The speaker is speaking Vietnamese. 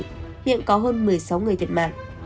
hiện có hơn một mươi sáu người thiệt mạng